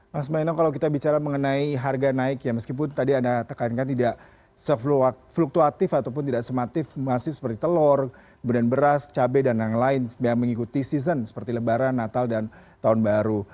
mas malino kalau kita bicara mengenai harga naik ya meskipun tadi anda tekankan tidak sefluktuatif ataupun tidak sematif masih seperti telur kemudian beras cabai dan yang lain yang mengikuti season seperti lebaran natal dan tahun baru